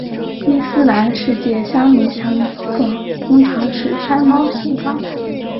伊斯兰世界香炉形状通常是山猫形状的。